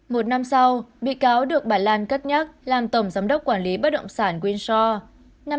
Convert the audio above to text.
một năm sau bị cáo được bài lan cất nhắc làm tổng giám đốc quản lý bất động sản windsor